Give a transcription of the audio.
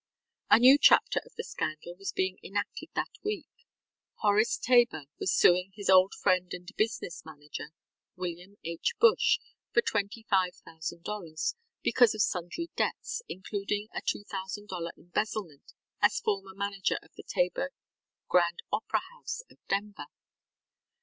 ŌĆØ A new chapter of the scandal was being enacted that week. Horace Tabor was suing his old friend and business manager, William H. Bush, for $25,000 because of sundry debts, including a $2,000 embezzlement as former manager of the Tabor Grand Opera House of Denver.